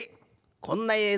こんなえい